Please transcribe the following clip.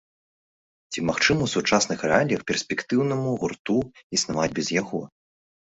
Ці магчыма ў сучасных рэаліях перспектыўнаму гурту існаваць без яго?